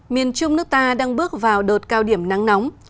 miền trung nước ta đang bước vào đợt cao điểm nắng nóng